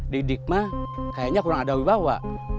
di dikma kayaknya kurang ada ui bawa